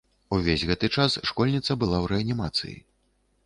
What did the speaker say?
Увесь гэты час школьніца была ў рэанімацыі.